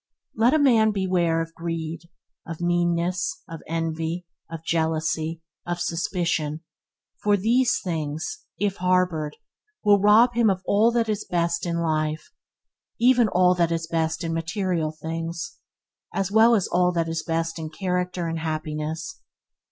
Let a man beware of greed, of meanness, of envy, of jealousy, of suspicion, for these things, if harboured, will rob him of all that is best in life, aye, even all that is best in material things, as well as all that is best in character and happiness.